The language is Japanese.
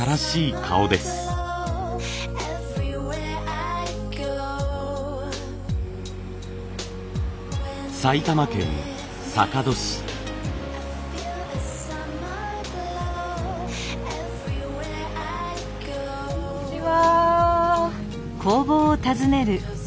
こんにちは。